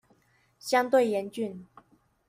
相對嚴峻